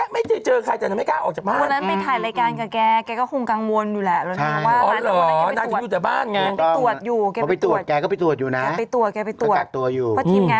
ไม่ได้พี่พ่อเขาก็อยู่ในช่วงแบบพักอยู่